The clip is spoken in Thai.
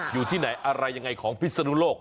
อยู่ที่ไหนอะไรยังไงของพิศนุโลก